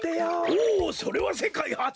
おおそれはせかいはつだな。